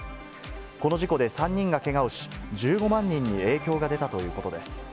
この事故で３人がけがをし、１５万人に影響が出たということです。